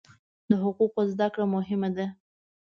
د حقوقو زده کړه مهمه ده.